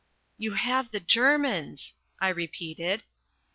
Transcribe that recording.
"You have the Germans," I repeated.